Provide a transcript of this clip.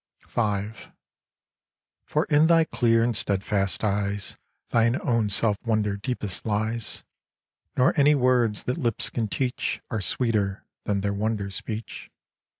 V For in thy clear and steadfast eyes Thine own self wonder deepest lies, Nor any words that lips can teach Are sweeter than their wonder speech.